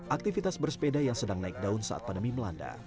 aktivitas bersepeda yang sedang naik daun saat pandemi melanda